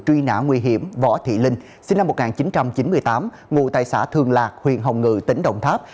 truy nã nguy hiểm võ thị linh sinh năm một nghìn chín trăm chín mươi tám ngụ tại xã thường lạc huyện hồng ngự tỉnh đồng tháp